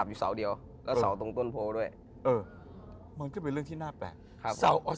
หรือว่าเป็นเจ้าพ่อต้นโพก